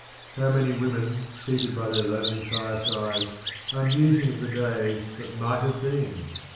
How many women seated by their lonely firesides are musing of the days that might have been!